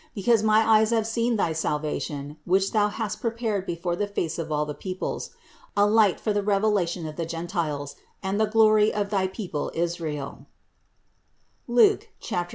Because my eyes have seen thy salvation, which thou hast prepared before the face of all peoples : a light for the revelation of the gen tiles, and the glory of thy people Israel" (Luke 2, 29).